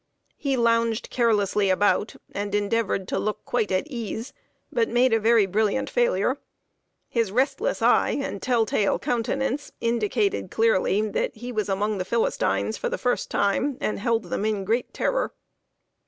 He lounged carelessly about, and endeavored to look quite at ease, but made a very brilliant failure. His restless eye and tell tale countenance indicated clearly that he was among the Philistines for the first time, and held them in great terror.